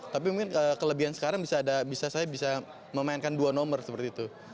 tapi mungkin kelebihan sekarang bisa saya bisa memainkan dua nomor seperti itu